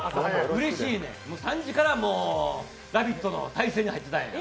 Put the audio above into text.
うれしいねん、３時から「ラヴィット！」の体勢に入ってたんや。